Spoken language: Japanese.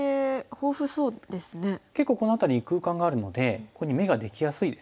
結構この辺りに空間があるのでここに眼ができやすいですよね。